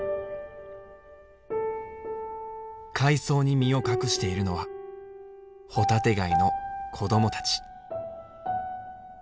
海藻に身を隠しているのはホタテガイの子供たち。